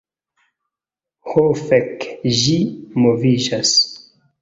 Ho fek', ĝi moviĝas!